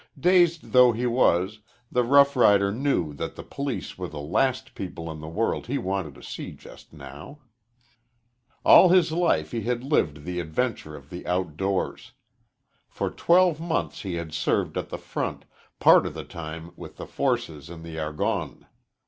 Dazed though he was, the rough rider knew that the police were the last people in the world he wanted to see just now. All his life he had lived the adventure of the outdoors. For twelve months he had served at the front, part of the time with the forces in the Argonne.